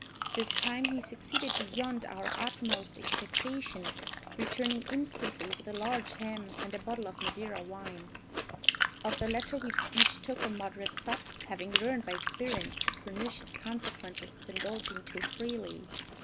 This time he succeeded beyond our utmost expectations, returning instantly with a large ham and a bottle of Madeira wine. Of the latter we each took a moderate sup, having learned by experience the pernicious consequences of indulging too freely.